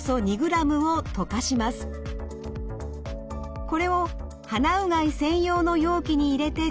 これを鼻うがい専用の容器に入れて使います。